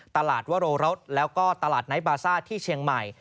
ตลาดวโรรสแล้วก็ตลาดไนท์บาซ่าที่เชียงใหม่